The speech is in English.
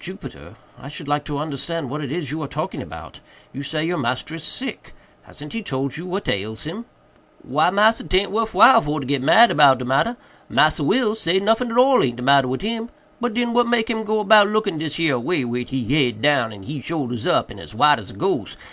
"Jupiter, I should like to understand what it is you are talking about. You say your master is sick. Hasn't he told you what ails him?" "Why, massa, 'taint worf while for to git mad about de matter—Massa Will say noffin at all aint de matter wid him—but den what make him go about looking dis here way, wid he head down and he soldiers up, and as white as a gose?